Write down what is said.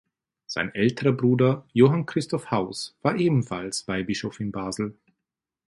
Sein älterer Bruder Johann Christoph Haus war ebenfalls Weihbischof in Basel.